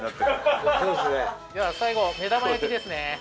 では最後目玉焼きですね。